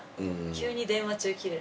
急に電話中キレる。